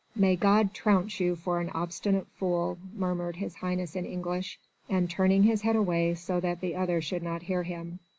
"May God trounce you for an obstinate fool," murmured His Highness in English, and turning his head away so that the other should not hear him.